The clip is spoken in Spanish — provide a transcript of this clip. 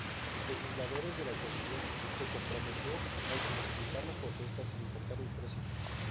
Legisladores de la oposición se comprometió a intensificar las protestas "sin importar el precio".